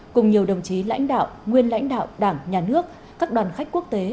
cùng nhiều đồng chí lãnh đạo nguyên lãnh đạo đảng nhà nước các đoàn khách quốc tế